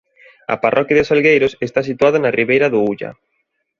A parroquia de Salgueiros está situada na ribeira do Ulla.